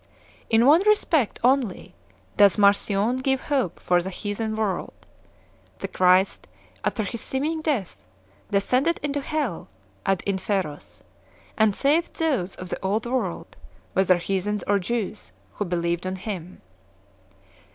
In one respect only does Mar cion give hope for the heathen world ; the Christ, after His seeming death, descended into Hell (ad inferos), and saved those of the old world, whether heathens or Jews, who believed on Him.